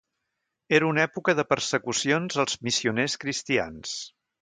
Era una època de persecucions als missioners cristians.